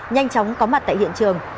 nhanh chóng có mặt tại hiện trường